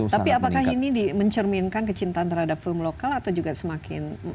tapi apakah ini mencerminkan kecintaan terhadap film lokal atau juga semakin